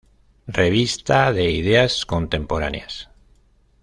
Revista de ideas contemporáneas".